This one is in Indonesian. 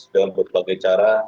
dengan berbagai cara